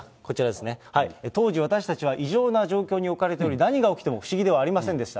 当時、私たちは異常な状況に置かれており、何が起きても不思議ではありませんでした。